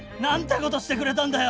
ことしてくれたんだよ！